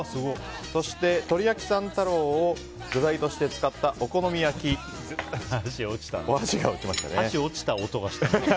そして、とり焼さん太郎を具材として使った箸が落ちた音がした。